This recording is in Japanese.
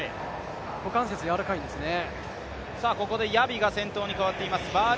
股関節がやわらかいんですね。